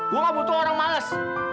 gue gak butuh orang males